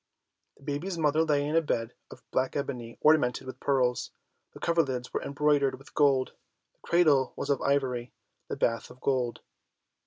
The baby's mother lay in a bed of black ebony ornamented with pearls, the coverlids were embroidered with gold, the cradle was of ivory, the bath of gold.